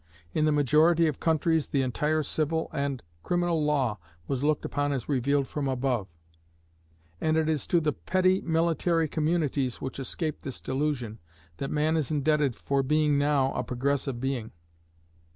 In the majority of countries the entire civil and criminal law was looked upon as revealed from above; and it is to the petty military communities which escaped this delusion, that man is indebted for being now a progressive being.